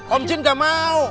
om jin gak mau